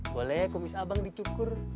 boleh kumis abang dicukur